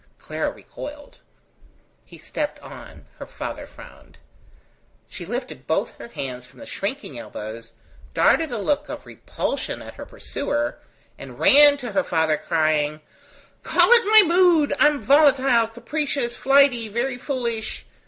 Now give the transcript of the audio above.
Clara recoiled. He stepped on. Her father frowned. She lifted both her hands from the shrinking elbows, darted a look of repulsion at her pursuer, and ran to her father, crying: "Call it my mood! I am volatile, capricious, flighty, very foolish.